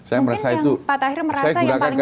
mungkin yang pak tahir merasa yang paling sukses begitu ya